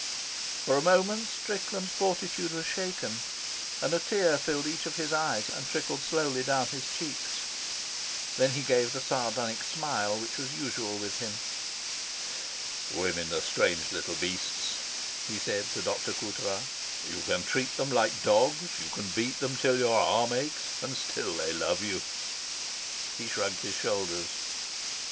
For a moment Strickland's fortitude was shaken, and a tear filled each of his eyes and trickled slowly down his cheeks. Then he gave the sardonic smile which was usual with him. "Women are strange little beasts," he said to Dr. Coutras. "You can treat them like dogs, you can beat them till your arm aches, and still they love you." He shrugged his shoulders.